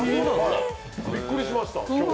びっくりしました、今日。